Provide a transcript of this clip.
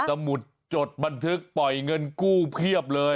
สมุดจดบันทึกปล่อยเงินกู้เพียบเลย